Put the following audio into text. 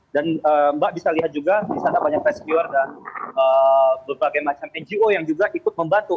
dan mbak bisa lihat juga di sana banyak rescuer dan berbagai macam ngo yang juga ikut membantu